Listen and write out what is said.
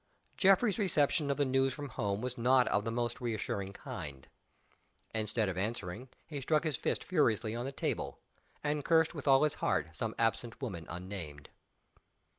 Geoffrey's reception of the news from home was not of the most reassuring kind. Instead of answering he struck his fist furiously on the table, and cursed with all his heart some absent woman unnamed.